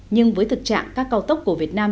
nhưng với thực trạng các cao tốc của việt nam